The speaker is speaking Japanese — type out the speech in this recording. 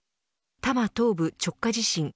多摩東部直下地震